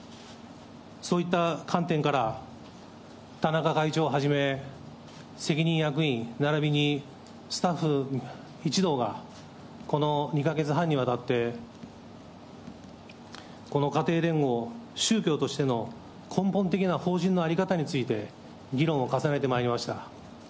そういった観点から、田中会長はじめ、責任役員ならびにスタッフ一同が、この２か月半にわたって、この家庭連合、宗教としての根本的な法人の在り方について、議論を重ねてまいりました。